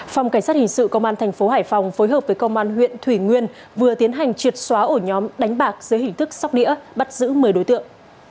phòng cảnh sát hình sự công an thành phố hải phòng phối hợp với công an huyện thủy nguyên vừa tiến hành triệt xóa ổ nhóm đánh bạc dưới hình thức sóc đĩa bắt giữ một mươi đối tượng